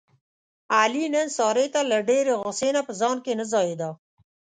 علي نن سارې ته له ډېرې غوسې نه په ځان کې نه ځایېدا.